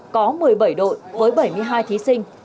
có một mươi bảy đội với bảy mươi hai thí sinh